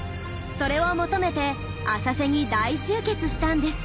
それを求めて浅瀬に大集結したんです。